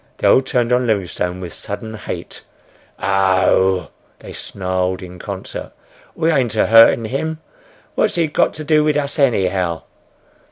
They all turned on Livingstone with sudden hate. "Arr oh h!" they snarled in concert. "We ain't a hurtin' him! What's he got to do wid us anyhow!"